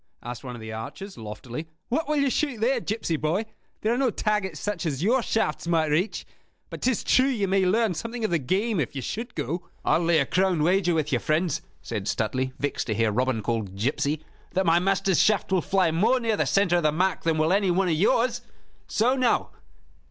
asked one of the archers, loftily. "What will you shoot there, gipsy boy? There are no targets such as your shafts might reach. But 'tis true that you may learn something of the game, if you should go." "I'll lay a crown wager with you, friends," said Stuteley, vexed to hear Robin called "gipsy," "that my master's shaft will fly more near the center of the mark than will any one of yours. So now."